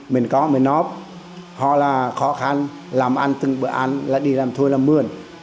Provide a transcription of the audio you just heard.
mình có mình nộp họ là khó khăn làm ăn từng bữa ăn đi làm thuê làm mươn